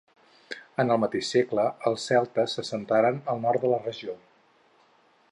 En el mateix segle, els celtes s'assentaren al nord de la regió.